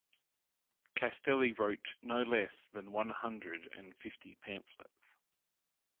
Castelli wrote no less than one hundred and fifty pamphlets.